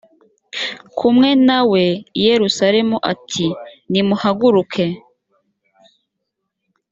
kumwe na we i yerusalemu ati nimuhaguruke